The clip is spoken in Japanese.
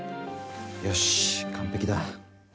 よし、完璧だ。